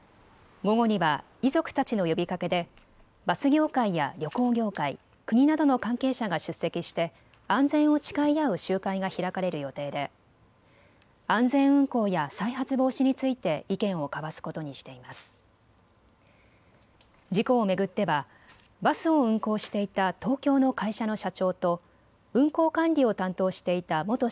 午後には遺族たちの呼びかけでバス業界や旅行業界、国などの関係者が出席して安全を誓い合う集会が開かれる予定で安全運行や再発防止について意見を交わすことにしています。